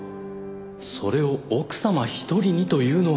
それを奥様１人にというのは。